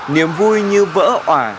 niềm vui như vỡ hòa